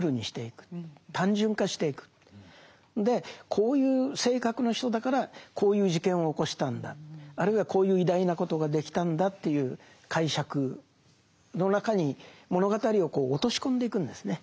こういう性格の人だからこういう事件を起こしたんだあるいはこういう偉大なことができたんだという解釈の中に物語を落とし込んでいくんですね。